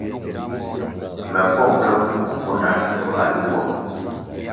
Me pong ke pfubo mbvunda mur ga limbo.